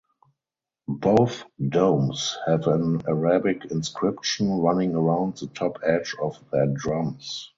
Both domes have an Arabic inscription running around the top edge of their drums.